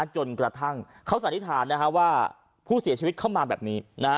จนกระทั่งเขาสันนิษฐานว่าผู้เสียชีวิตเข้ามาแบบนี้